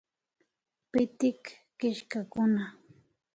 Pitik killkakuna